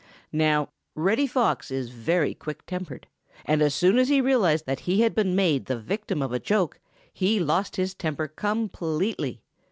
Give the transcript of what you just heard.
Now, Reddy Fox is very quick tempered, and as soon as he realized that he had been made the victim of a joke, he lost his temper completely.